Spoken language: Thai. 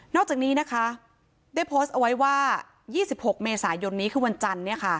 อกจากนี้นะคะได้โพสต์เอาไว้ว่า๒๖เมษายนนี้คือวันจันทร์